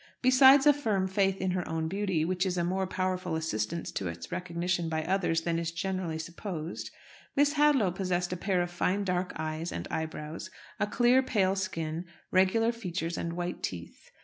Besides a firm faith in her own beauty which is a more powerful assistance to its recognition by others than is generally supposed Miss Hadlow possessed a pair of fine dark eyes and eyebrows, a clear, pale skin, regular features, and white teeth.